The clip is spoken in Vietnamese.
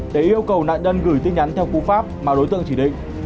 để yêu cầu nạn nhân gửi tin nhắn theo cú pháp mà đối tượng chỉ định